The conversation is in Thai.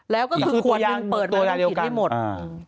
แล้วก็คือควรหนึ่งเปิดมาแล้วฉีดให้หมด